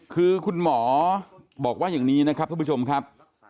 คือคุณหมอบอกว่าอย่างนี้นะครับท่านผู้ชมครับ